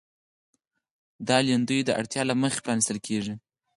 دا لیندیو د اړتیا له مخې پرانیستل کېږي.